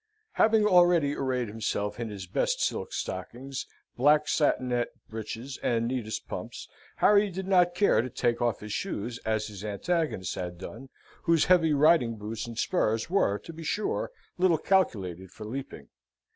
Having already arrayed himself in his best silk stockings, black satin net breeches, and neatest pumps, Harry did not care to take off his shoes as his antagonist had done, whose heavy riding boots and spurs were, to be sure, little calculated for leaping.